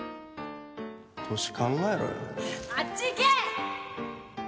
年、考えろよ。